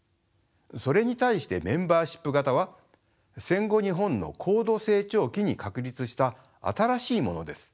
それに対してメンバーシップ型は戦後日本の高度成長期に確立した新しいものです。